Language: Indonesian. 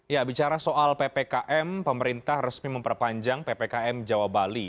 ya bicara soal ppkm pemerintah resmi memperpanjang ppkm jawa bali